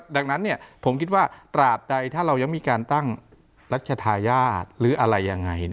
ดังนั้นผมคิดว่าตราบใดถ้าเรายังมีการตั้งรัชธาญาติหรืออะไรยังไง